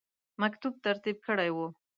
مکتوب ترتیب کړی وو.